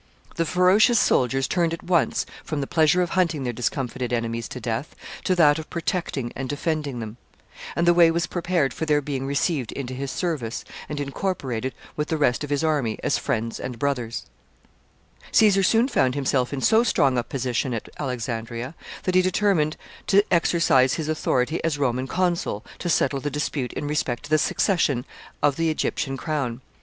The ferocious soldiers turned at once from the pleasure of hunting their discomfited enemies to death, to that of protecting and defending them; and the way was prepared for their being received into his service, and incorporated with the rest of his army as friends and brothers. [Sidenote: His position at Alexandria.] [Sidenote: Caesar's interference in Egyptian affairs.] Caesar soon found himself in so strong a position at Alexandria, that he determined to exercise his authority as Roman consul to settle the dispute in respect to the succession of the Egyptian crown.